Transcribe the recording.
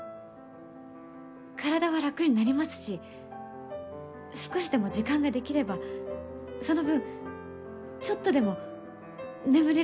体は楽になりますし少しでも時間ができればその分ちょっとでも眠れると思うんです。